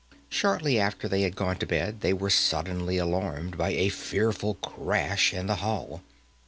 Shortly after they had gone to bed they were suddenly alarmed by a fearful crash in the hall.